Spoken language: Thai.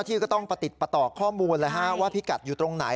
ที่ก็ต้องประติดประต่อข้อมูลเลยฮะว่าพิกัดอยู่ตรงไหน